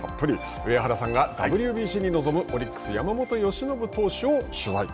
上原さんは、ＷＢＣに臨むオリックス、山本由伸投手を取材。